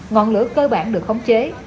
ngọn lửa cơ bản được khống chế